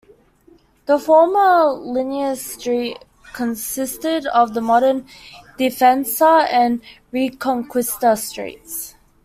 The former "Liniers" street consisted of the modern "Defensa" and "Reconquista" streets.